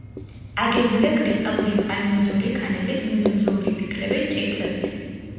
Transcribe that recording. აგებულია კრისტალური პალეოზოური ქანებით, მეზოზოური ფიქლებით, კირქვებით.